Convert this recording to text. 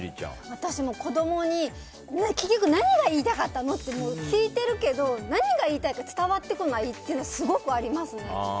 私も子供に結局、何が言いたかったの？って聞いてるけど、何が言いたいか伝わってこないのはすごくありますね。